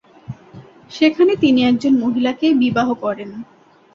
সেখানে তিনি একজন মহিলাকে বিবাহ করেন।